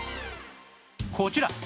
こちら